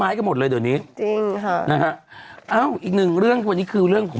๑๐๐เมตรก็เอาแล้วค่ะ